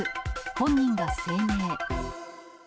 本人が声明。